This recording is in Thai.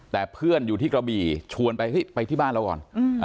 แต่เพื่อนอยู่ที่กระบี่ชวนไปไปที่บ้านเราก่อน